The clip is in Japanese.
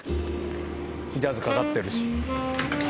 ジャズかかってるし。